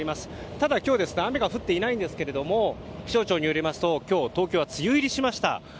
ただ、今日雨が降っていないんですけれども気象庁によりますと今日、東京は梅雨入りしました。